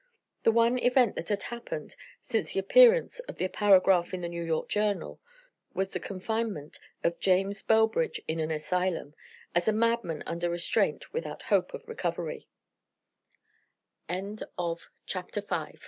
The one event that had happened, since the appearance of the paragraph in the New York journal, was the confinement of James Bellbridge in an asylum, as a madman under restraint without hope of recovery. Chapter VI. Sydney Teaches.